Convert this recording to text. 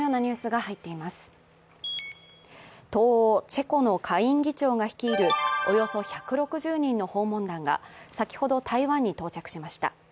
東欧チェコの下院議長が率いるおよそ１６０人の訪問団が先ほど台湾に到着しました。